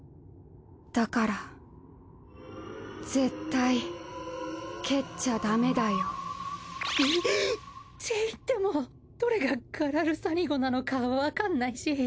だから絶対蹴っちゃダメだよ。って言ってもどれがガラルサニーゴなのかわかんないし。